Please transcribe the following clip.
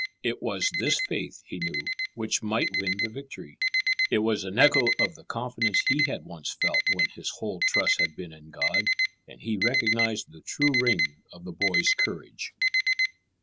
It was this faith, he knew, which might win the victory. It was an echo of the confidence he had once felt when his whole trust had been in God, and he recognized the true ring of the boy's courage.